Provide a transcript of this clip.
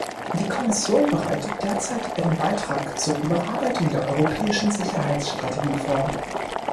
Die Kommission bereitet derzeit ihren Beitrag zur Überarbeitung der Europäischen Sicherheitsstrategie vor.